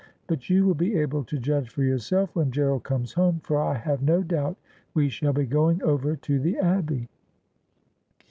But you will be able to judge for yourself when Gerald comes home, for I have no doubt we shall be going over to the Abbey.'